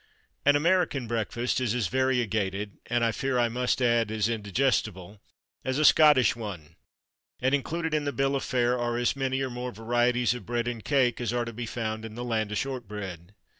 An American breakfast is as variegated (and I fear I must add, as indigestible) as a Scotch one; and included in the bill of fare are as many, or more, varieties of bread and cake as are to be found in the land o' shortbread.